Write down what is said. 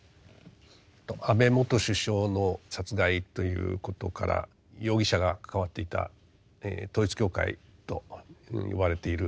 安倍元首相の殺害ということから容疑者が関わっていた統一教会と呼ばれている団体の人権侵害がですね